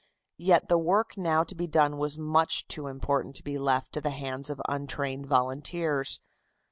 Yet the work now to be done was much too important to be left to the hands of untrained volunteers.